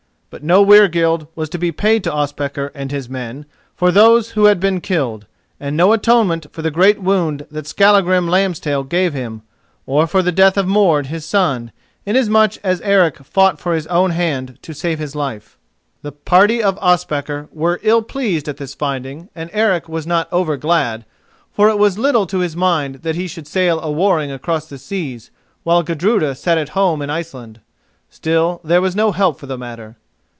But no weregild was to be paid to Ospakar and his men for those who had been killed, and no atonement for the great wound that Skallagrim Lambstail gave him, or for the death of Mord, his son, inasmuch as Eric fought for his own hand to save his life. The party of Ospakar were ill pleased at this finding, and Eric was not over glad, for it was little to his mind that he should sail a warring across the seas, while Gudruda sat at home in Iceland. Still, there was no help for the matter.